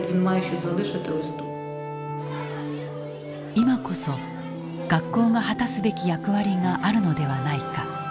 今こそ学校が果たすべき役割があるのではないか。